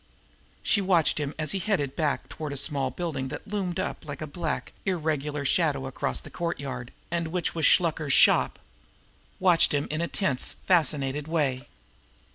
She watched him as he headed toward a small building that loomed up like a black, irregular shadow across the courtyard, and which was Shluker's shop watched him in a tense, fascinated way.